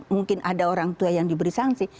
mungkin ada orang tua yang diberi sanksi